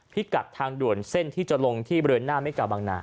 พิกัดทางด่วนเส้นที่จะลงที่บริเวณหน้าเมกาบางนา